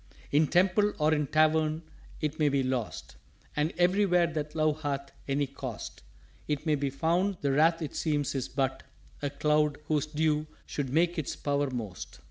_" "In Temple or in Tavern 't may be lost. And everywhere that Love hath any Cost It may be found; the Wrath it seems is but A Cloud whose Dew should make its power most."